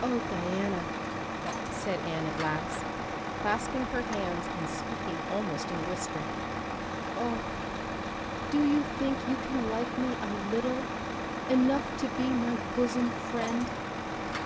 "Oh, Diana," said Anne at last, clasping her hands and speaking almost in a whisper, "oh, do you think you can like me a little enough to be my bosom friend?"